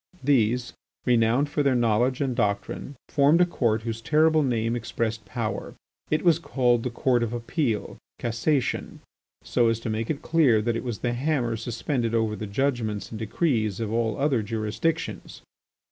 These, renowned for their knowledge and doctrine, formed a court whose terrible name expressed power. It was called the Court of Appeal (Cassation) so as to make it clear that it was the hammer suspended over the judgments and decrees of all other jurisdictions.